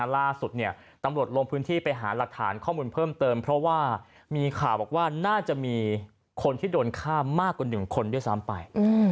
ล่าสุดตำรวจลงพื้นที่ไปหาหลักฐานข้อมูลเพิ่มเติมเพราะว่ามีข่าวบอกว่าน่าจะมีคนที่โดนฆ่ามากกว่า๑คนด้วยซ้ำไป